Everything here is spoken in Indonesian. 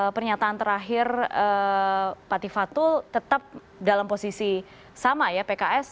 pernyataan terakhir pak tifatul tetap dalam posisi sama ya pks